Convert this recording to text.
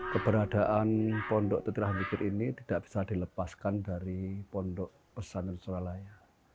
keberadaan pondok tutirah mikir ini tidak bisa dilepaskan dari pondok pesantren suralaya